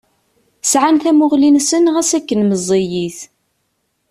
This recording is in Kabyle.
Sɛan tamuɣli-nsen ɣas akken meẓẓiyit.